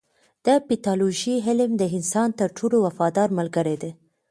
د پیتالوژي علم د انسان تر ټولو وفادار ملګری دی.